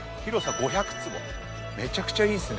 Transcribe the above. めちゃくちゃいいっすね。